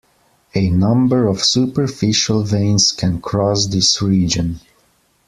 A number of superficial veins can cross this region.